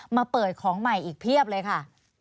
มาเปิดของใหม่อีกเพียบเลยค่ะ